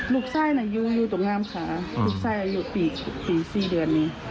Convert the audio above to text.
ลูกไส้น่ะอยู่ตรงงามขาลูกไส้อยู่ปีกถึง๔เดือน